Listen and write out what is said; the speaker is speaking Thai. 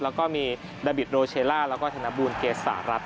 แล้วก็มีดาบิดโรเชล่าแล้วก็ธนบูลเกษารัฐ